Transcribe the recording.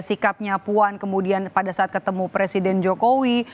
sikapnya puan kemudian pada saat ketemu presiden jokowi